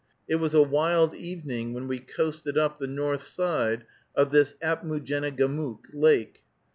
It was a wild evening when we coasted up the north side of this Apmoojenegamook Lake.